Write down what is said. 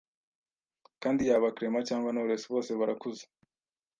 kandi yaba Clement cyangwa Knowless bose barakuze